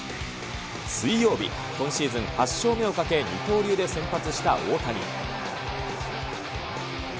水曜日、今シーズン８勝目をかけ、二刀流で先発した大谷。